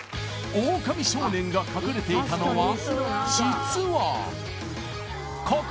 オオカミ少年が隠れていたのは実はここ！